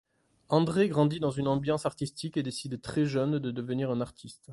André grandit dans une ambiance artistique et décide très jeune de devenir un artiste.